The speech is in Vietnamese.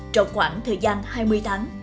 trong khoảng thời gian hai mươi tháng